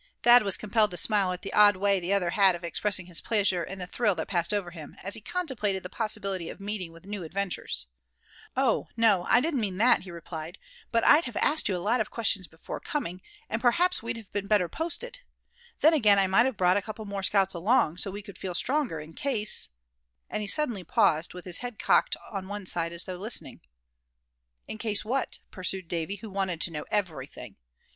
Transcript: Thad was compelled to smile at the odd way the other had of expressing his pleasure in the thrill that passed over him, as he contemplated the possibility of meeting with new adventures. "Oh! no, I didn't mean that," he replied; "but I'd have asked you a lot of questions before coming, and perhaps we'd have been better posted. Then again, I might have brought a couple more scouts along, so we could feel stronger, in case " and he suddenly paused, with his head cocked on one side as though listening. "In case, what?" pursued Davy, who wanted to know everything.